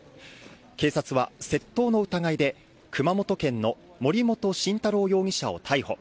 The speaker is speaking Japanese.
警察は窃盗の疑いで熊本県の森本晋太郎容疑者を逮捕。